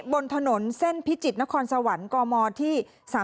บนถนนเส้นพิจิตรนครสวรรค์กมที่๓๓